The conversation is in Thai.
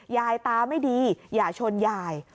ยายตาไม่ดีอย่าชนยาย